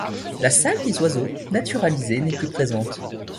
La salle des oiseaux naturalisée n'est plus présente.